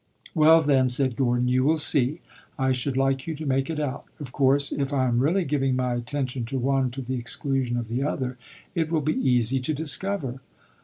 "Well, then," said Gordon, "you will see. I should like you to make it out. Of course, if I am really giving my attention to one to the exclusion of the other, it will be easy to discover."